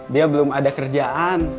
dia belum ada kerjaan